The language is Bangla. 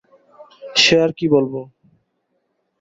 সে আর কী বলব!